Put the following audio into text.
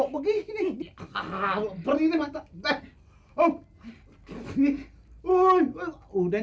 ngaku yang disuruh kok